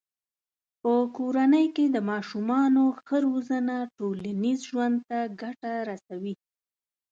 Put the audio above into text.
په کورنۍ کې د ماشومانو ښه روزنه ټولنیز ژوند ته ګټه رسوي.